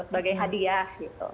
sebagai hadiah gitu